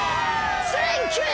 センキュー！